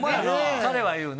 彼は言うね。